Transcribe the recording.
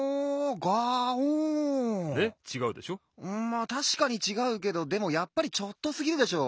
まったしかにちがうけどでもやっぱりちょっとすぎるでしょ。